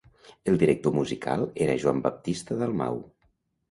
El director musical era Joan Baptista Dalmau.